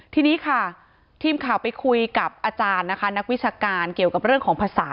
ทีนี้ค่ะทีมข่าวไปคุยกับอาจารย์นะคะนักวิชาการเกี่ยวกับเรื่องของภาษา